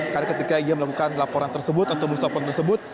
karena ketika ia melakukan laporan tersebut atau melakukan laporan tersebut